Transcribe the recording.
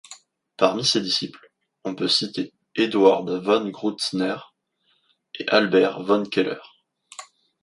Parmi ses disciples, on peut citer Eduard von Grützner et Albert von Keller.